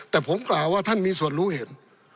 แต่ผมกล่าวว่าท่านมีส่วนรู้เห็น